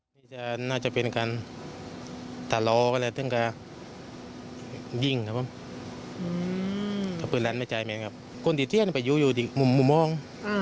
เพราะอีกแล้วจริงต่างกันไปอยู่อยู่ที่มุมมุมห้อง